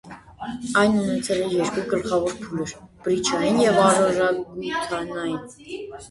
Այն ունեցել է երկու գլխավոր փուլեր՝ բրիչային և արորագութանային։